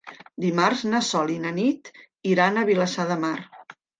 Dimarts na Sol i na Nit iran a Vilassar de Mar.